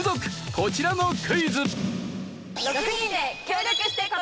こちらのクイズ。